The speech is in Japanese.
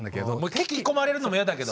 聴き込まれるのもやだけど。